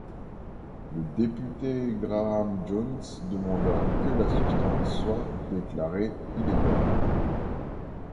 Le député Graham Jones demanda que la substance soit déclarée illégale.